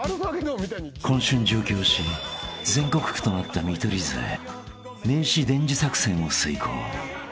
［今春上京し全国区となった見取り図へ名刺伝授作戦を遂行］